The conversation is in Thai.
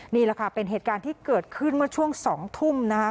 นี่แหละค่ะเป็นเหตุการณ์ที่เกิดขึ้นเมื่อช่วง๒ทุ่มนะคะ